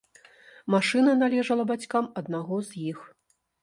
Машына належала бацькам аднаго з іх.